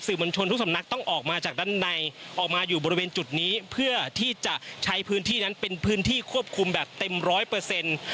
มันชนทุกสำนักต้องออกมาจากด้านในออกมาอยู่บริเวณจุดนี้เพื่อที่จะใช้พื้นที่นั้นเป็นพื้นที่ควบคุมแบบเต็มร้อยเปอร์เซ็นต์